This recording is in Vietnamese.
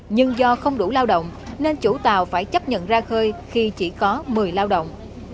nhưng do không đủ lao động nên chủ tàu phải chấp nhận ra khơi khi chỉ có một mươi lao động